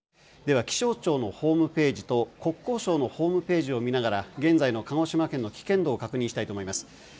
「では気象庁のホームページと国交省のホームページを見ながら現在の鹿児島県の危険度を確認したいと思います。